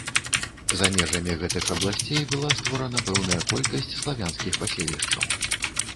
За межамі гэтых абласцей была створана пэўная колькасць славянскіх паселішчаў.